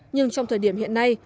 nhưng trong thời điểm hiện nay